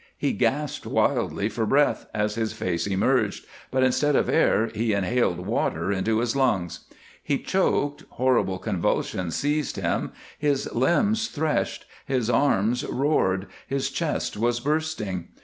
He gasped wildly for breath as his face emerged, but instead of air he inhaled water into his lungs. He choked, horrible convulsions seized him, his limbs threshed, his ears roared, his chest was bursting.